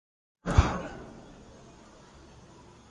کراول وویل، خدای دې وکړي چې رنګ یې ولاړ نه شي.